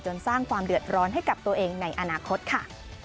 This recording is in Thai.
สร้างความเดือดร้อนให้กับตัวเองในอนาคตค่ะ